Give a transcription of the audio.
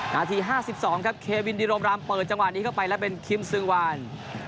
นาที๕๒ครับเควินดิโรมรามเปิดจังหวะนี้เข้าไปแล้วเป็นคิมซือวาน